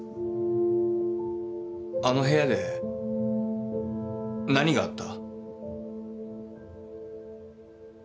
あの部屋で何があった？